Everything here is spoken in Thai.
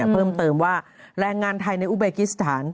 เพิ่มเติมว่าแรงงานไทยในอุเบกิสถาน